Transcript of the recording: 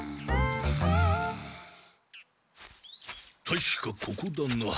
たしかここだな。